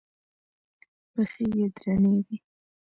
پښې يې درنې وې.